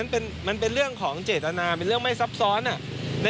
มันเป็นเรื่องของเจตนาเป็นเรื่องไม่ซับซ้อน